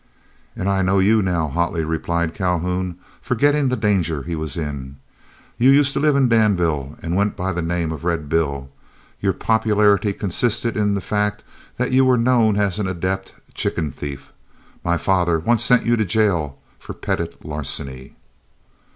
"And I know you now," hotly replied Calhoun, forgetting the danger he was in. "You used to live in Danville, and went by the name of Red Bill. Your popularity consisted in the fact that you were known as an adept chicken thief. My father once sent you to jail for petit larceny."